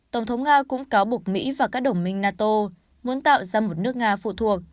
tổng thống nga cũng cáo buộc mỹ và các đồng minh nato muốn tạo ra một nước nga phụ thuộc